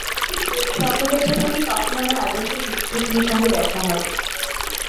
স্বপ্ন দেখতে থাকি কখন আমার আদর্শ সুচিত্রা সেনের সঙ্গে দেখা হবে।